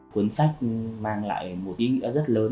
cuốn sách mang lại một ý nghĩa rất lớn